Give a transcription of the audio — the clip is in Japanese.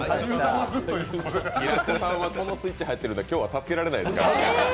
平子さんはこのスイッチ入っているので、今日は助けられないですから。